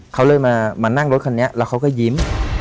เขาเลยมานั่งรถคันนี้แล้วเขาก็ยิ้ม